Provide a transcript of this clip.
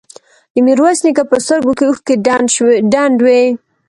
د ميرويس نيکه په سترګو کې اوښکې ډنډ وې.